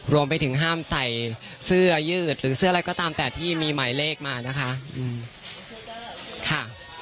รวมไปถึงห้ามใส่เสื้อยืดหรือเสื้ออะไรก็ตามแต่ที่มีหมายเลขมานะคะค่ะ